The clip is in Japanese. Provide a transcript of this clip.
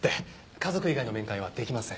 家族以外の面会は出来ません。